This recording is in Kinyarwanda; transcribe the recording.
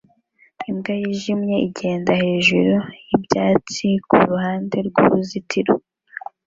Imbwa yijimye igenda hejuru yibyatsi kuruhande rwuruzitiro